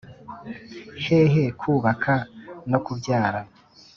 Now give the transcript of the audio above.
hehe kubaka no kubyara